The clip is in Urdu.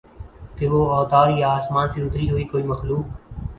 کہ وہ اوتار یا آسمان سے اتری ہوئی کوئی مخلوق